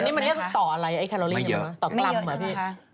อันนี้เรียกต่ออะไรไอ้แคโลลีเหมือนกันเหรอต่อกลัมเหรอพี่